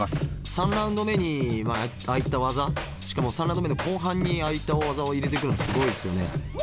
３ラウンド目にああいった技しかも３ラウンド目の後半にああいった大技を入れてくるのすごいですよね。